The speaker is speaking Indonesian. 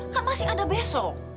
kan masih ada besok